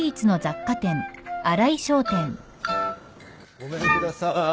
ごめんください。